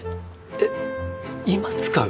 えっ今使う？